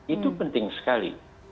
itu penting sekali